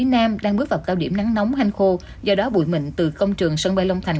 nam đang bước vào cao điểm nắng nóng hành khô do đó bụi mịn từ công trường sân bay long thành